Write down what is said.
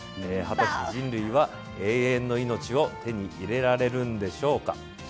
果たして、人類は永遠の命を手に入れられるんでしょうか。